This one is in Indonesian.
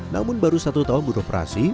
namun baru satu tahun beroperasi